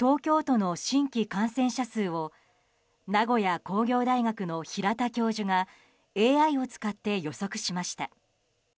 東京都の新規感染者数を名古屋工業大学の平田教授がＡＩを使って予測しました。